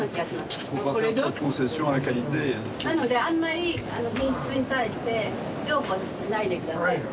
なのであんまり品質に対して譲歩しないで下さいと。